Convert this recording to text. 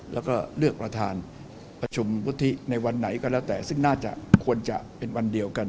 แล้วก็เลือกประธานประชุมวุฒิในวันไหนก็แล้วแต่ซึ่งน่าจะควรจะเป็นวันเดียวกัน